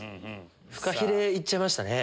フカヒレいっちゃいましたね。